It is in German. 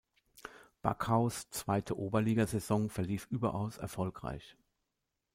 Backhaus' zweite Oberligasaison verlief überaus erfolgreich.